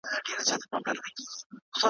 ځکه چې د حبیبي آثار